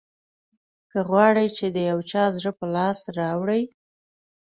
که غواړې چې د یو چا زړه په لاس راوړې.